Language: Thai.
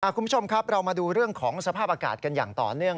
คุณผู้ชมครับเรามาดูเรื่องของสภาพอากาศกันอย่างต่อเนื่อง